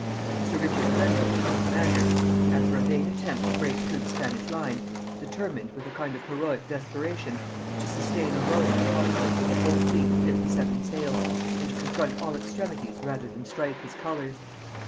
Sir Richard Grenville her commander, after a vain attempt to break through the Spanish line, determined, with a kind of heroic desperation, to sustain alone the conflict with a whole fleet of fifty seven sail, and to confront all extremities rather than strike his colors.